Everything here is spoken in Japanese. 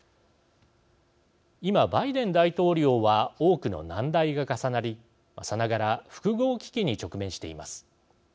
今、バイデン大統領は多くの難題が重なり、さながら複合危機に直面しています。